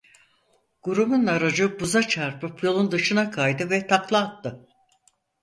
Grubun aracı buza çarpıp yolun dışına kaydı ve takla attı.